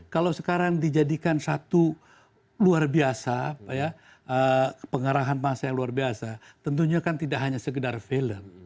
kalau sekarang dijadikan satu luar biasa pengarahan masa yang luar biasa tentunya kan tidak hanya segedar film